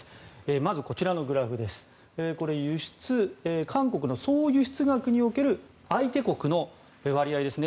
まず、こちらのグラフですが韓国の総輸出額における相手国の割合です。